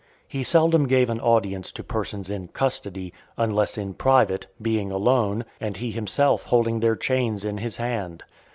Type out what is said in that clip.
He seldom gave an audience to persons in custody, unless in private, being alone, and he himself holding their chains in his hand.